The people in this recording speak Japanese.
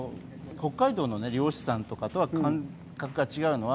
北海道の漁師さんとかとは感覚が違うのは。